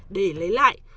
để lấy lại